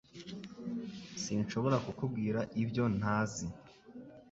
Sinshobora kukubwira ibyo ntazi